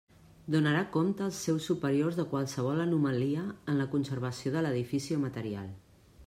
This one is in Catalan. Donarà compte als seus superiors de qualsevol anomalia en la conservació de l'edifici o material.